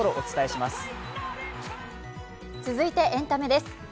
続いてエンタメです。